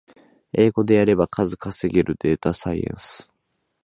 英語でやれば数稼げるデータサイエンス